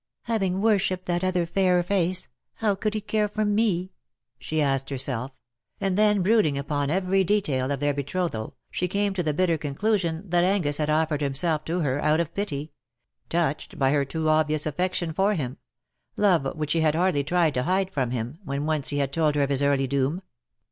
^' Having worshipped that other fairer face, how could he care for me T* she asked herself; and then, brooding upon every detail of their betrothal, she came to the bitter conclusion that Angus had offered himself to her out of pity — touched by her too obvious affection for him — love which she had hardly tried to hide from him, when once he had told her of his early doom.